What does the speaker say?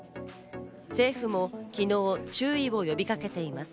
政府も昨日、注意を呼びかけています。